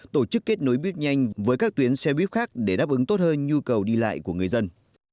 tổ chức kết nối buýt nhanh với các tuyến xe buýt khác để đáp ứng tốt hơn nhu cầu đi lại của người dân